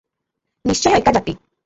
ନିଶ୍ଚୟ ଏକା ଜାତି ।